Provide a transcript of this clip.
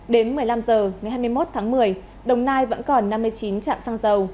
đến một mươi năm h ngày hai mươi một tháng một mươi đồng nai vẫn còn năm mươi chín chạm xăng dầu